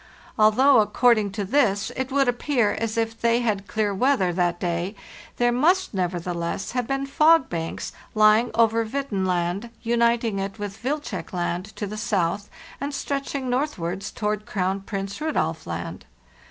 Although, according to this, it would appear as if they had had clear weather that day, there must, nevertheless, have been fog banks lying over Hvidtenland, uniting it with Wilczek Land to the south and stretching northward towards Crown Prince Rudolf Land.